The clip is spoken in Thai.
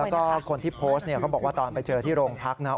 แล้วก็คนที่โพสต์เนี่ยเขาบอกว่าตอนไปเจอที่โรงพักนะ